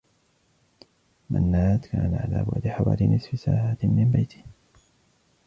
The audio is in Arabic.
مناد كان على بعد حوالي نصف ساعة من بيته.